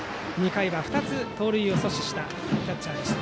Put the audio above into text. ２回は２つ、盗塁を阻止したキャッチャーでした。